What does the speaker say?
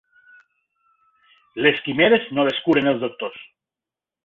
Les quimeres no les curen els doctors.